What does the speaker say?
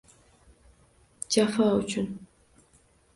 «Jafo uchun